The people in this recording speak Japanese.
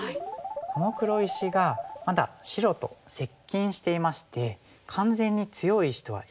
この黒石がまだ白と接近していまして完全に強い石とは言えないんですよね。